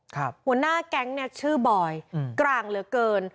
หัวหน้าแก๊งเนี่ยชื่อบอยกลางเหลือเกิน